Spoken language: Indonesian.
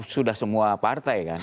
sudah semua partai kan